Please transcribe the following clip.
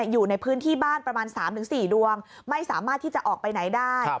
อยู่ในพื้นที่บ้านประมาณ๓๔ดวงไม่สามารถที่จะออกไปไหนได้